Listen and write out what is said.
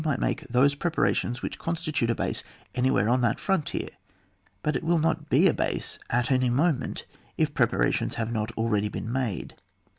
67 might mifke those preparations wbich constitute a base anywhere on that fron tier ; but it will not be a base at any moment if preparations have not been al ready made everywhere.